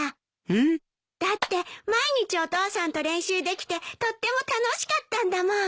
えっ？だって毎日お父さんと練習できてとっても楽しかったんだもん。